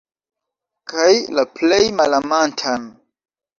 Kaj la plej malamantan.